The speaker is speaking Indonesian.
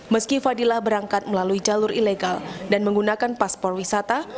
meski fadilah berangkat melalui jalur ilegal dan menggunakan paspor wisata